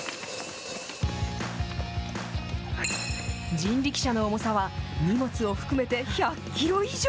人力車の重さは荷物を含めて１００キロ以上。